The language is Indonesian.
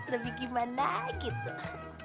lebih gimana gitu